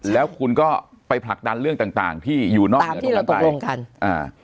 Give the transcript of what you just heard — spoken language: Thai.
แล้วคุณก็ไปผลักดันเรื่องต่างต่างที่อยู่นอกเหนือจากตรงกันอ่า